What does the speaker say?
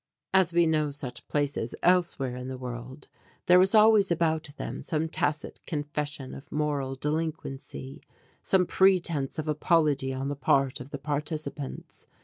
As we know such places elsewhere in the world there is always about them some tacit confession of moral delinquency, some pretence of apology on the part of the participants.